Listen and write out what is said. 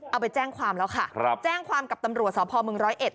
เอาไปแจ้งความแล้วค่ะครับแจ้งความกับตำรวจสพมร้อยเอ็ด